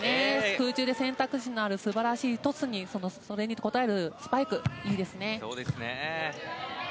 空中で選択肢のある素晴らしいトスにそれに応えるスパイクいいですね。